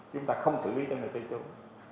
chúng ta không xử lý cho người tây châu